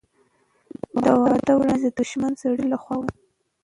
د واده وړاندیز د شتمن سړي له خوا و.